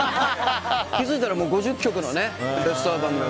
気づいたら５０曲のベストアルバムが